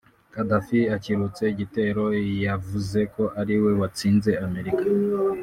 Ghaddafi akirutse igitero yavuze ko ari we watsinze Amerika